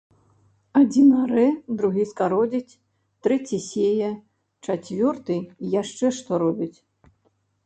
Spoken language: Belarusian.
Адзін арэ, другі скародзіць, трэці сее, чацвёрты яшчэ што робіць.